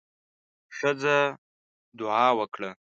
ښځه دعا وکړه.